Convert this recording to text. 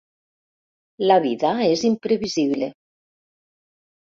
La vida és imprevisible.